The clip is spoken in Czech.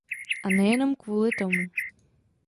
A nejenom kvůli tomu.